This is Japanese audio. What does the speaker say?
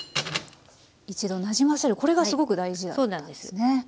一度なじませるこれがすごく大事だったんですね。